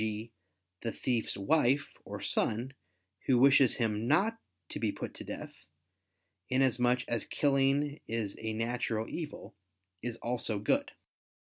g. the thief's wife or son, who wishes him not to be put to death, inasmuch as killing is a natural evil, is also good.